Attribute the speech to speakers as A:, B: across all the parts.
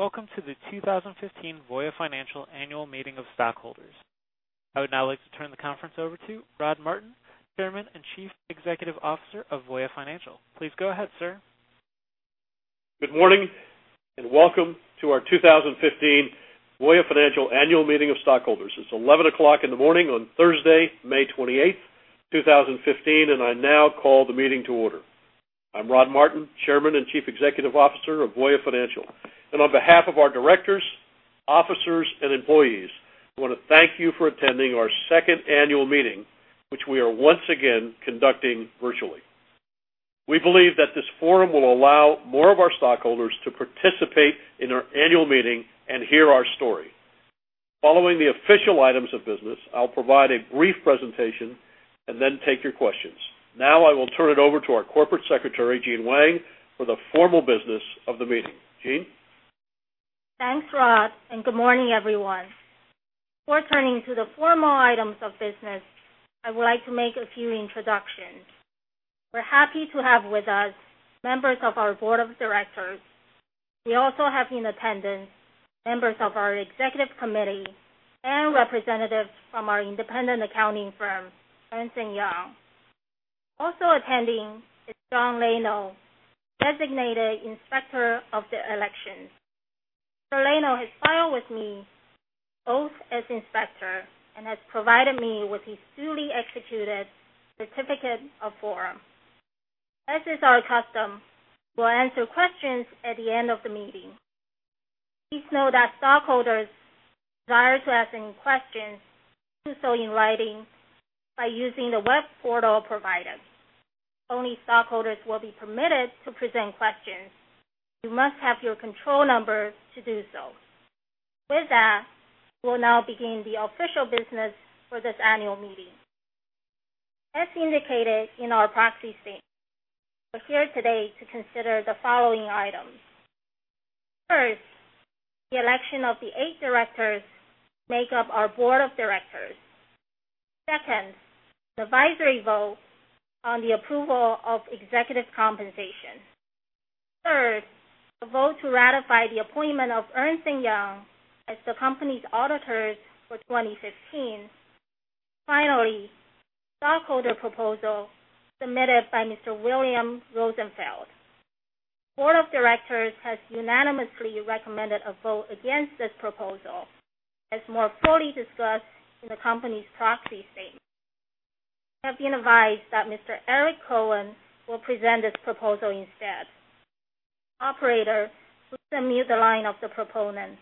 A: Morning. Welcome to the 2015 Voya Financial Annual Meeting of Stockholders. I would now like to turn the conference over to Rod Martin, Chairman and Chief Executive Officer of Voya Financial. Please go ahead, sir.
B: Good morning. Welcome to our 2015 Voya Financial Annual Meeting of Stockholders. It's 11:00 A.M. on Thursday, May 28, 2015, and I now call the meeting to order. I'm Rod Martin, Chairman and Chief Executive Officer of Voya Financial, and on behalf of our directors, officers, and employees, I want to thank you for attending our second annual meeting, which we are once again conducting virtually. We believe that this forum will allow more of our stockholders to participate in our annual meeting and hear our story. Following the official items of business, I'll provide a brief presentation and then take your questions. Now I will turn it over to our Corporate Secretary, Jean Weng, for the formal business of the meeting. Jean?
C: Thanks, Rod. Good morning, everyone. Before turning to the formal items of business, I would like to make a few introductions. We're happy to have with us members of our Board of Directors. We also have in attendance members of our Executive Committee and representatives from our independent accounting firm, Ernst & Young. Also attending is John Laino, designated Inspector of Election. Mr. Laino has filed with me both as inspector and has provided me with his duly executed certificate of quorum. As is our custom, we'll answer questions at the end of the meeting. Please know that stockholders desiring to ask any questions do so in writing by using the web portal provided. Only stockholders will be permitted to present questions. You must have your control number to do so. With that, we'll now begin the official business for this annual meeting. As indicated in our proxy statement, we're here today to consider the following items. First, the election of the eight directors make up our Board of Directors. Second, the advisory vote on the approval of executive compensation. Third, the vote to ratify the appointment of Ernst & Young as the company's auditors for 2015. Finally, the stockholder proposal submitted by Mr. William Rosenfeld. The Board of Directors has unanimously recommended a vote against this proposal, as more fully discussed in the company's proxy statement. I have been advised that Mr. Eric Cohen will present this proposal instead. Operator, please unmute the line of the proponent.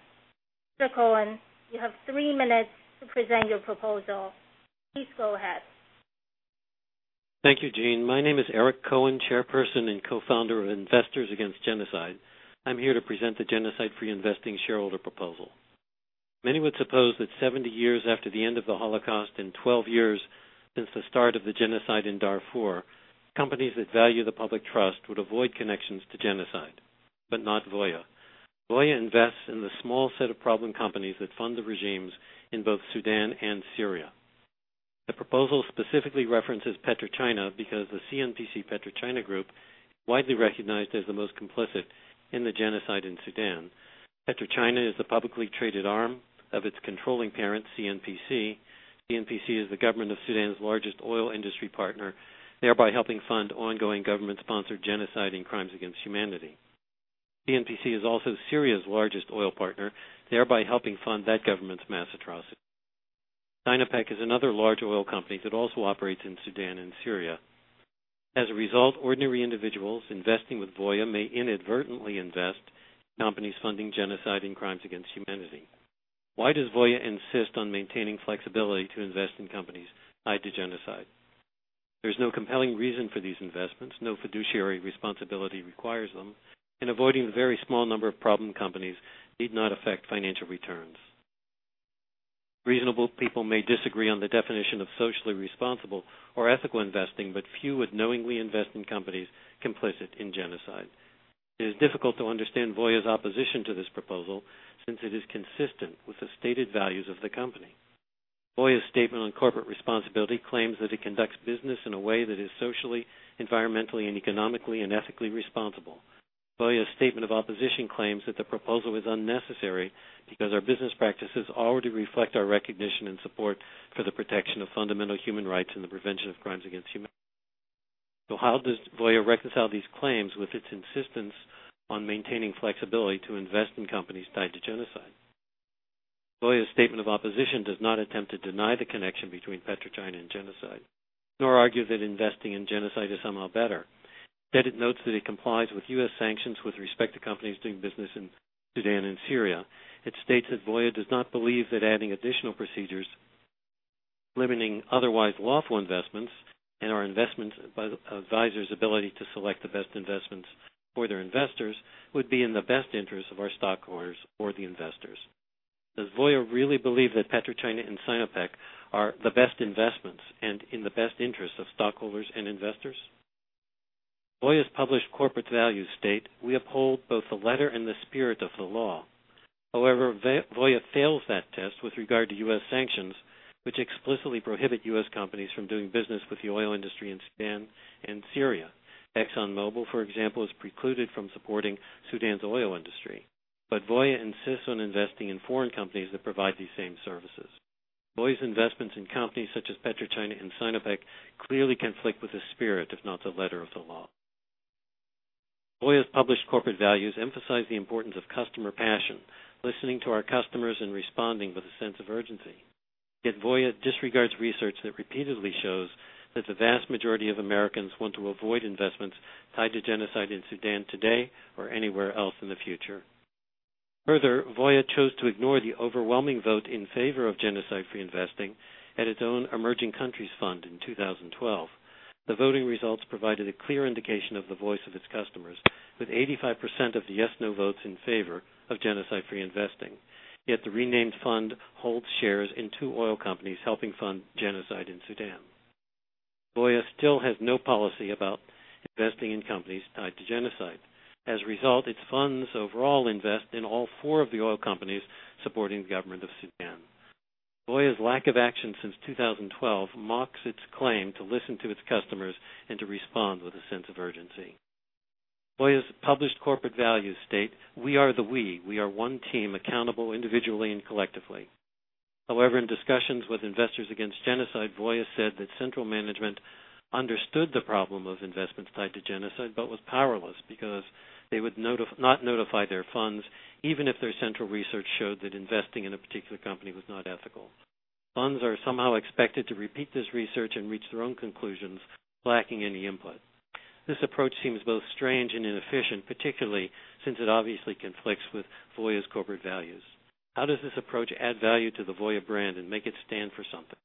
C: Mr. Cohen, you have three minutes to present your proposal. Please go ahead.
D: Thank you, Jean. My name is Eric Cohen, chairperson and co-founder of Investors Against Genocide. I'm here to present the Genocide Free Investing Shareholder Proposal. Many would suppose that 70 years after the end of the Holocaust and 12 years since the start of the genocide in Darfur, companies that value the public trust would avoid connections to genocide. Not Voya. Voya invests in the small set of problem companies that fund the regimes in both Sudan and Syria. The proposal specifically references PetroChina because the CNPC PetroChina group, widely recognized as the most complicit in the genocide in Sudan. PetroChina is the publicly traded arm of its controlling parent, CNPC. CNPC is the government of Sudan's largest oil industry partner, thereby helping fund ongoing government-sponsored genocide and crimes against humanity. CNPC is also Syria's largest oil partner, thereby helping fund that government's mass atrocities. Sinopec is another large oil company that also operates in Sudan and Syria. As a result, ordinary individuals investing with Voya may inadvertently invest in companies funding genocide and crimes against humanity. Why does Voya insist on maintaining flexibility to invest in companies tied to genocide? There's no compelling reason for these investments, no fiduciary responsibility requires them, and avoiding the very small number of problem companies need not affect financial returns. Reasonable people may disagree on the definition of socially responsible or ethical investing, but few would knowingly invest in companies complicit in genocide. It is difficult to understand Voya's opposition to this proposal, since it is consistent with the stated values of the company. Voya's statement on corporate responsibility claims that it conducts business in a way that is socially, environmentally, and economically and ethically responsible. Voya's statement of opposition claims that the proposal is unnecessary because our business practices already reflect our recognition and support for the protection of fundamental human rights and the prevention of crimes against humanity. How does Voya reconcile these claims with its insistence on maintaining flexibility to invest in companies tied to genocide? Voya's statement of opposition does not attempt to deny the connection between PetroChina and genocide, nor argue that investing in genocide is somehow better. Instead, it notes that it complies with U.S. sanctions with respect to companies doing business in Sudan and Syria. It states that Voya does not believe that adding additional procedures limiting otherwise lawful investments and our investment advisors' ability to select the best investments for their investors would be in the best interest of our stockholders or the investors. Does Voya really believe that PetroChina and Sinopec are the best investments and in the best interest of stockholders and investors? Voya's published corporate values state, "We uphold both the letter and the spirit of the law." However, Voya fails that test with regard to U.S. sanctions, which explicitly prohibit U.S. companies from doing business with the oil industry in Sudan and Syria. ExxonMobil, for example, is precluded from supporting Sudan's oil industry. Voya insists on investing in foreign companies that provide these same services. Voya's investments in companies such as PetroChina and Sinopec clearly conflict with the spirit, if not the letter of the law. Voya's published corporate values emphasize the importance of customer passion, listening to our customers, and responding with a sense of urgency. Voya disregards research that repeatedly shows that the vast majority of Americans want to avoid investments tied to genocide in Sudan today or anywhere else in the future. Further, Voya chose to ignore the overwhelming vote in favor of genocide-free investing at its own emerging countries fund in 2012. The voting results provided a clear indication of the voice of its customers, with 85% of the yes/no votes in favor of genocide-free investing. Yet the renamed fund holds shares in two oil companies helping fund genocide in Sudan. Voya still has no policy about investing in companies tied to genocide. As a result, its funds overall invest in all four of the oil companies supporting the government of Sudan. Voya's lack of action since 2012 mocks its claim to listen to its customers and to respond with a sense of urgency. Voya's published corporate values state, "We are the we. We are one team, accountable individually and collectively." However, in discussions with Investors Against Genocide, Voya said that central management understood the problem of investments tied to genocide but was powerless because they would not notify their funds even if their central research showed that investing in a particular company was not ethical. Funds are somehow expected to repeat this research and reach their own conclusions, lacking any input. This approach seems both strange and inefficient, particularly since it obviously conflicts with Voya's corporate values. How does this approach add value to the Voya brand and make it stand for something?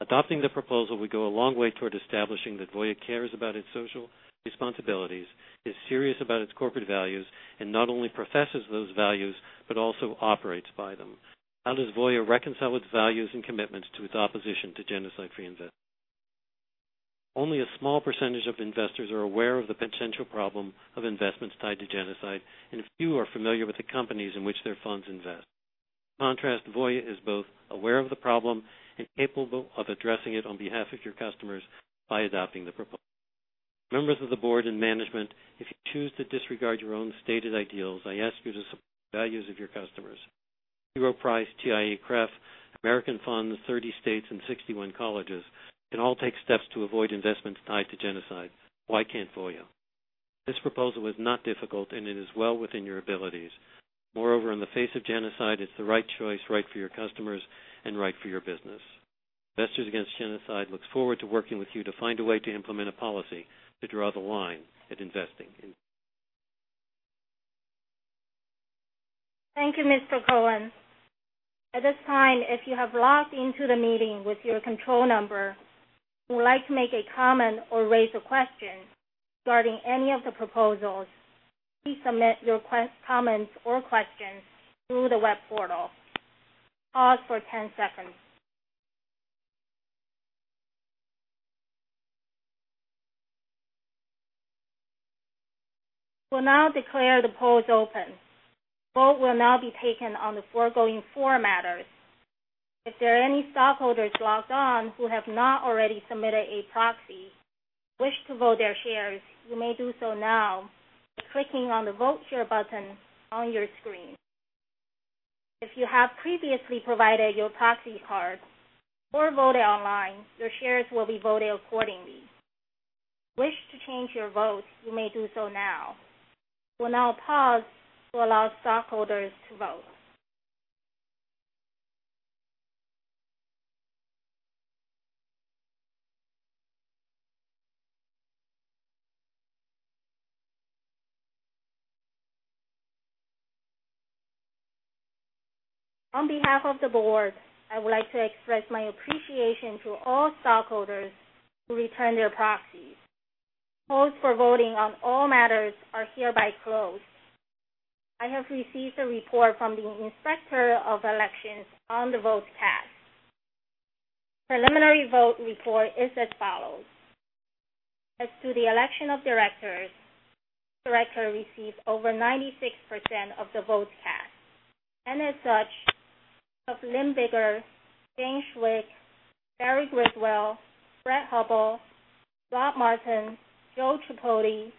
D: Adopting the proposal would go a long way toward establishing that Voya cares about its social responsibilities, is serious about its corporate values, and not only professes those values but also operates by them. How does Voya reconcile its values and commitments to its opposition to genocide-free investment? Only a small percentage of investors are aware of the potential problem of investments tied to genocide, and few are familiar with the companies in which their funds invest. By contrast, Voya is both aware of the problem and capable of addressing it on behalf of your customers by adopting the proposal. Members of the board and management, if you choose to disregard your own stated ideals, I ask you to support the values of your customers. T. Rowe Price, TIAA-CREF, American Funds, 30 states, and 61 colleges can all take steps to avoid investments tied to genocide. Why can't Voya? This proposal is not difficult, and it is well within your abilities. In the face of genocide, it's the right choice, right for your customers, and right for your business. Investors Against Genocide looks forward to working with you to find a way to implement a policy to draw the line at investing in-
C: Thank you, Mr. Cohen. At this time, if you have logged into the meeting with your control number and would like to make a comment or raise a question regarding any of the proposals, please submit your comments or questions through the web portal. Pause for 10 seconds. We'll now declare the polls open. Vote will now be taken on the foregoing four matters. If there are any stockholders logged on who have not already submitted a proxy and wish to vote their shares, you may do so now by clicking on the Vote Share button on your screen. If you have previously provided your proxy card or voted online, your shares will be voted accordingly. If you wish to change your vote, you may do so now. We'll now pause to allow stockholders to vote. On behalf of the board, I would like to express my appreciation to all stockholders who returned their proxies. Polls for voting on all matters are hereby closed. I have received a report from the Inspector of Election on the votes cast. Preliminary vote report is as follows. As to the election of directors, a director received over 96% of the votes cast, and as such, Lynne Biggar, James Quick, Barry Griswell, Fred Hubbell, Rod Martin, Joe Tripodi,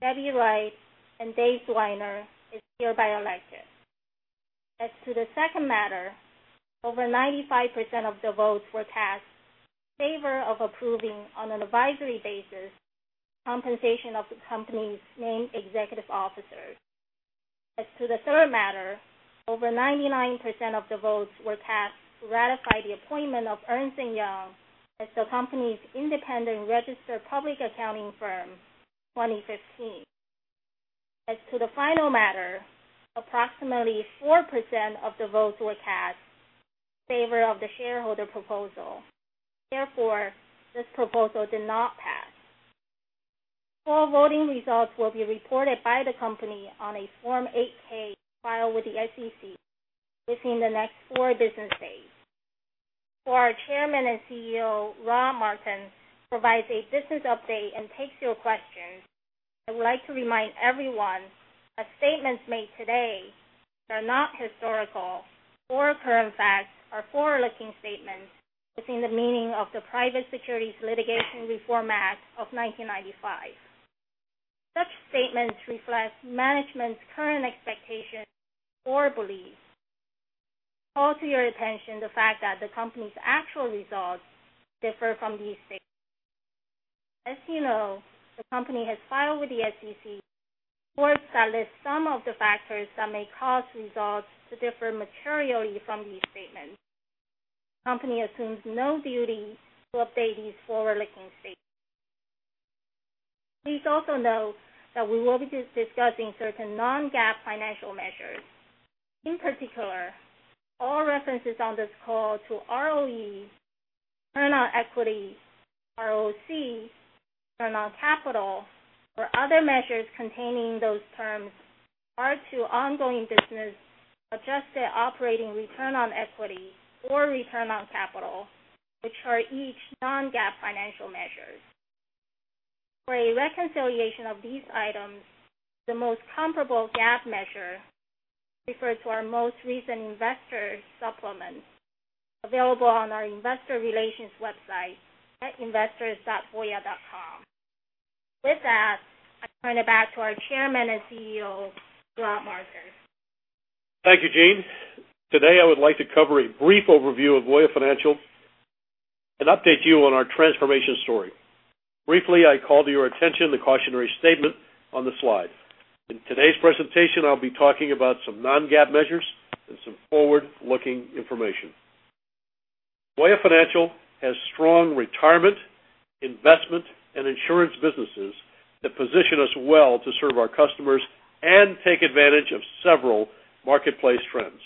C: Debbie Wright, and Dave Zwiener is hereby elected. As to the second matter, over 95% of the votes were cast in favor of approving, on an advisory basis, compensation of the company's named executive officers. As to the third matter, over 99% of the votes were cast to ratify the appointment of Ernst & Young as the company's independent registered public accounting firm for 2015. As to the final matter, approximately 4% of the votes were cast in favor of the Shareholder Proposal. This proposal did not pass. Full voting results will be reported by the company on a Form 8-K filed with the SEC within the next four business days. Before our Chairman and CEO, Rod Martin, provides a business update and takes your questions, I would like to remind everyone that statements made today that are not historical or current facts are forward-looking statements within the meaning of the Private Securities Litigation Reform Act of 1995. Such statements reflect management's current expectations or beliefs. I call to your attention the fact that the company's actual results differ from these statements. As you know, the company has filed with the SEC forms that list some of the factors that may cause results to differ materially from these statements. The company assumes no duty to update these forward-looking statements. Please also note that we will be discussing certain non-GAAP financial measures. In particular, all references on this call to ROE, return on equity, ROC, return on capital, or other measures containing those terms are to ongoing business adjusted operating return on equity or return on capital, which are each non-GAAP financial measures. For a reconciliation of these items to the most comparable GAAP measure, refer to our most recent investor supplement available on our investor relations website at investors.voya.com. With that, I turn it back to our Chairman and CEO, Rod Martin.
B: Thank you, Jean. Today, I would like to cover a brief overview of Voya Financial and update you on our transformation story. Briefly, I call to your attention the cautionary statement on the slide. In today's presentation, I will be talking about some non-GAAP measures and some forward-looking information. Voya Financial has strong retirement, investment, and insurance businesses that position us well to serve our customers and take advantage of several marketplace trends.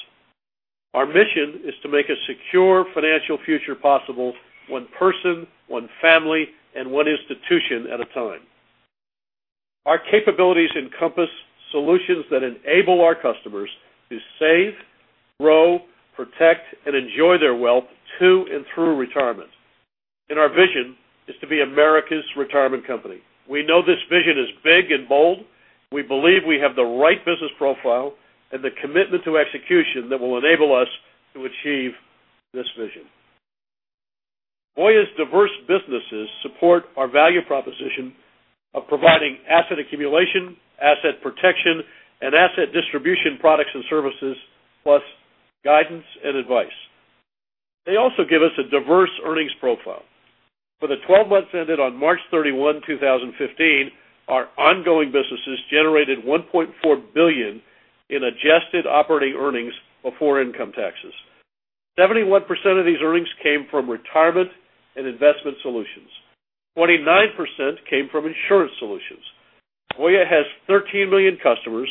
B: Our mission is to make a secure financial future possible, one person, one family, and one institution at a time. Our capabilities encompass solutions that enable our customers to save, grow, protect, and enjoy their wealth to and through retirement and our vision is to be America's retirement company. We know this vision is big and bold. We believe we have the right business profile and the commitment to execution that will enable us to achieve this vision. Voya's diverse businesses support our value proposition of providing asset accumulation, asset protection, and asset distribution products and services, plus guidance and advice. They also give us a diverse earnings profile. For the 12 months ended on March 31, 2015, our ongoing businesses generated $1.4 billion in adjusted operating earnings before income taxes. 71% of these earnings came from retirement and investment solutions. 29% came from insurance solutions. Voya has 13 million customers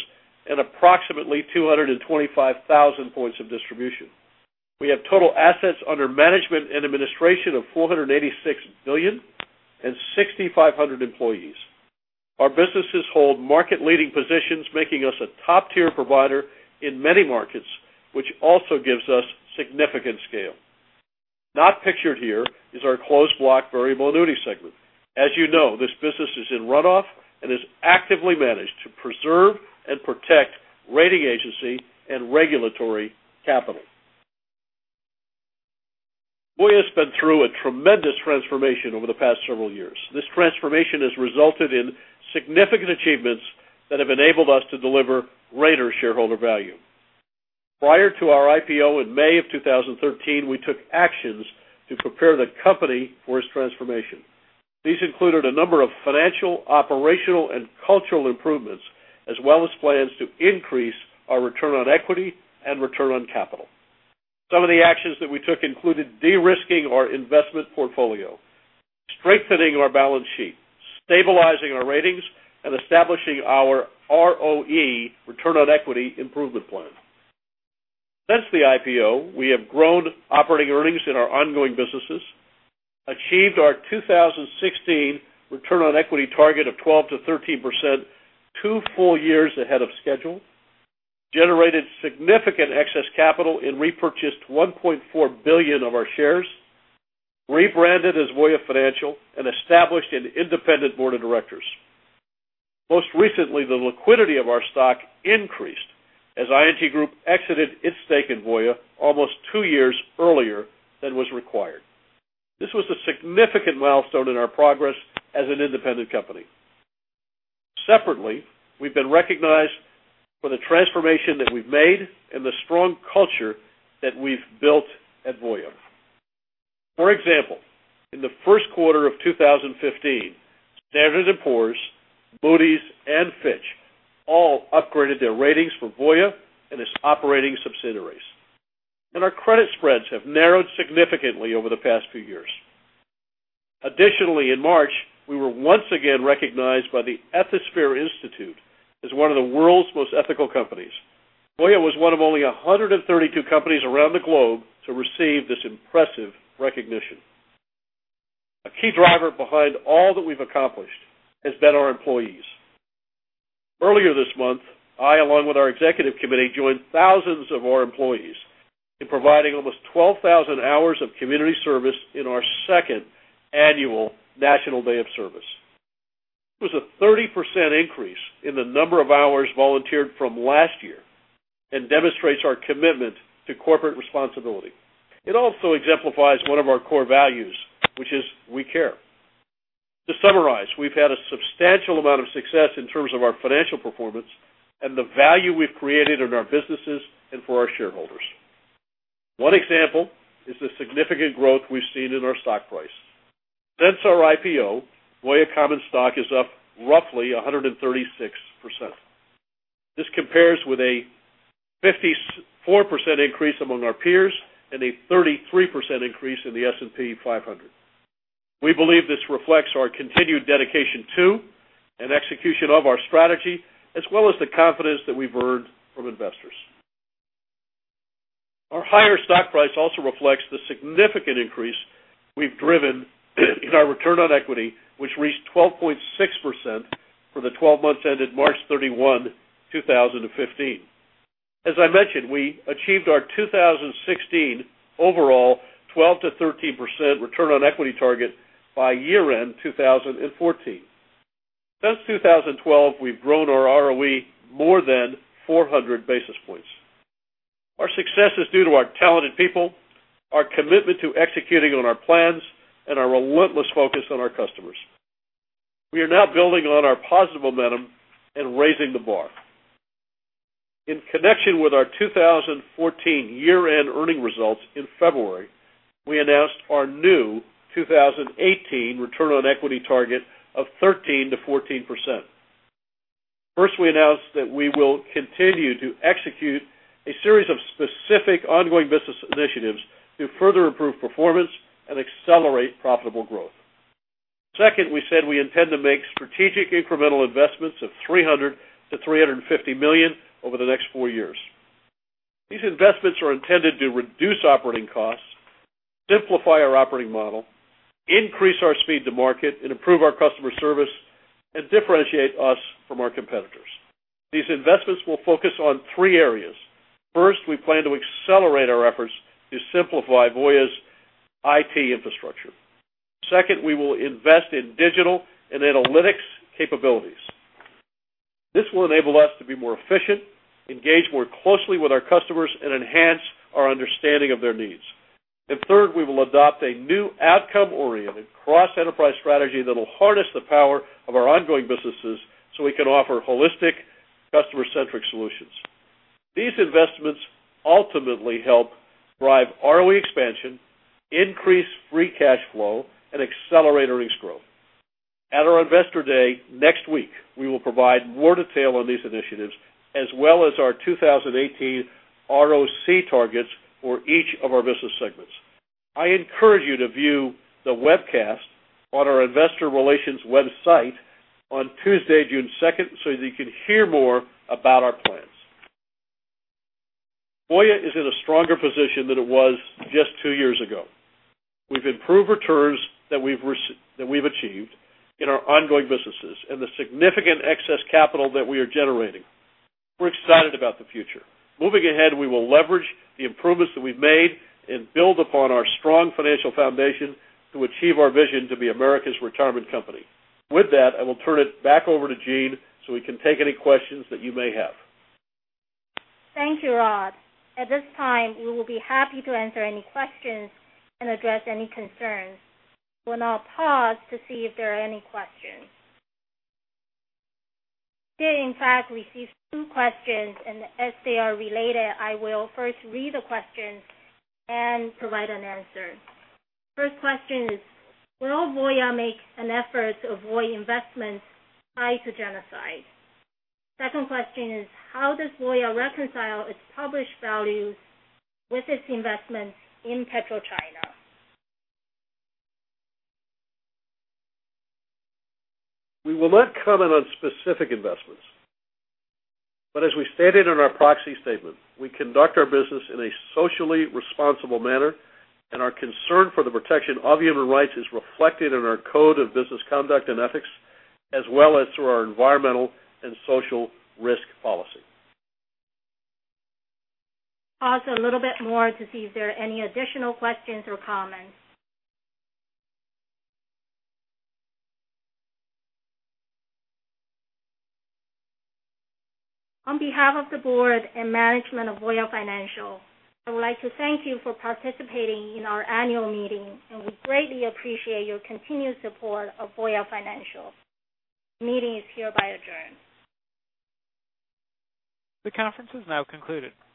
B: and approximately 225,000 points of distribution. We have total assets under management and administration of $486 billion and 6,500 employees. Our businesses hold market-leading positions, making us a top-tier provider in many markets, which also gives us significant scale. Not pictured here is our closed block variable annuity segment. As you know, this business is in runoff and is actively managed to preserve and protect rating agency and regulatory capital. Voya's been through a tremendous transformation over the past several years. This transformation has resulted in significant achievements that have enabled us to deliver greater shareholder value. Prior to our IPO in May of 2013, we took actions to prepare the company for its transformation. These included a number of financial, operational, and cultural improvements, as well as plans to increase our return on equity and return on capital. Some of the actions that we took included de-risking our investment portfolio, strengthening our balance sheet, stabilizing our ratings, and establishing our ROE, return on equity, improvement plan. Since the IPO, we have grown operating earnings in our ongoing businesses, achieved our 2016 return on equity target of 12%-13% two full years ahead of schedule, generated significant excess capital and repurchased $1.4 billion of our shares, rebranded as Voya Financial, and established an independent board of directors. Most recently, the liquidity of our stock increased as ING Group exited its stake in Voya almost two years earlier than was required. This was a significant milestone in our progress as an independent company. Separately, we have been recognized for the transformation that we have made and the strong culture that we have built at Voya. For example, in the first quarter of 2015, Standard & Poor's, Moody's, and Fitch all upgraded their ratings for Voya and its operating subsidiaries, and our credit spreads have narrowed significantly over the past few years. Additionally, in March, we were once again recognized by the Ethisphere Institute as one of the world's most ethical companies. Voya was one of only 132 companies around the globe to receive this impressive recognition. A key driver behind all that we have accomplished has been our employees. Earlier this month, I, along with our executive committee, joined thousands of our employees in providing almost 12,000 hours of community service in our second annual National Day of Service. It was a 30% increase in the number of hours volunteered from last year and demonstrates our commitment to corporate responsibility. It also exemplifies one of our core values, which is we care. To summarize, we've had a substantial amount of success in terms of our financial performance and the value we've created in our businesses and for our shareholders. One example is the significant growth we've seen in our stock price. Since our IPO, Voya common stock is up roughly 136%. This compares with a 54% increase among our peers and a 33% increase in the S&P 500. We believe this reflects our continued dedication to and execution of our strategy, as well as the confidence that we've earned from investors. Our higher stock price also reflects the significant increase we've driven in our return on equity, which reached 12.6% for the 12 months ended March 31, 2015. As I mentioned, we achieved our 2016 overall 12%-13% return on equity target by year-end 2014. Since 2012, we've grown our ROE more than 400 basis points. Our success is due to our talented people, our commitment to executing on our plans, and our relentless focus on our customers. We are now building on our positive momentum and raising the bar. In connection with our 2014 year-end earning results in February, we announced our new 2018 return on equity target of 13%-14%. First, we announced that we will continue to execute a series of specific ongoing business initiatives to further improve performance and accelerate profitable growth. Second, we said we intend to make strategic incremental investments of $300 million-$350 million over the next four years. These investments are intended to reduce operating costs, simplify our operating model, increase our speed to market, and improve our customer service and differentiate us from our competitors. These investments will focus on three areas. First, we plan to accelerate our efforts to simplify Voya's IT infrastructure. Second, we will invest in digital and analytics capabilities. This will enable us to be more efficient, engage more closely with our customers, and enhance our understanding of their needs. Third, we will adopt a new outcome-oriented cross-enterprise strategy that will harness the power of our ongoing businesses so we can offer holistic customer-centric solutions. These investments ultimately help drive ROE expansion, increase free cash flow, and accelerate earnings growth. At our Investor Day next week, we will provide more detail on these initiatives, as well as our 2018 ROC targets for each of our business segments. I encourage you to view the webcast on our investor relations website on Tuesday, June 2nd, so that you can hear more about our plans. Voya is in a stronger position than it was just two years ago. We've improved returns that we've achieved in our ongoing businesses and the significant excess capital that we are generating. We're excited about the future. Moving ahead, we will leverage the improvements that we've made and build upon our strong financial foundation to achieve our vision to be America's retirement company. With that, I will turn it back over to Jean. We can take any questions that you may have.
C: Thank you, Rod. At this time, we will be happy to answer any questions and address any concerns. We will now pause to see if there are any questions. Did in fact receive two questions, and as they are related, I will first read the questions and provide an answer. First question is, "Will Voya make an effort to avoid investments tied to genocide?" Second question is, "How does Voya reconcile its published values with its investments in PetroChina?
B: We will not comment on specific investments. As we stated in our proxy statement, we conduct our business in a socially responsible manner, and our concern for the protection of human rights is reflected in our code of business conduct and ethics, as well as through our environmental and social risk policy.
C: Pause a little bit more to see if there are any additional questions or comments. On behalf of the board and management of Voya Financial, I would like to thank you for participating in our annual meeting, and we greatly appreciate your continued support of Voya Financial. Meeting is hereby adjourned.
A: The conference is now concluded. Thank you.